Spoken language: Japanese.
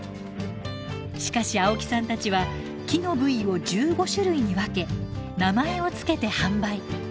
しかし青木さんたちは木の部位を１５種類に分け名前を付けて販売。